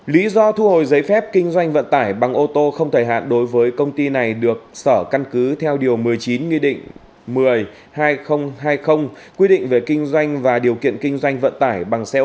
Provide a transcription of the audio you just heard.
lý do thu hồi giấy phép kinh doanh vận tải bằng ô tô không thời hạn đối với công ty này được sở căn cứ theo điều một mươi chín nghị định một mươi hai nghìn hai mươi quy định về kinh doanh và điều kiện kinh doanh vận tải